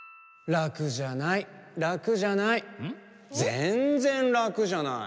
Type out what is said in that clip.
・ぜんぜんラクじゃない。